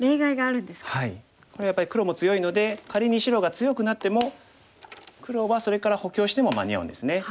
これはやっぱり黒も強いので仮に白が強くなっても黒はそれから補強しても間に合うんですね。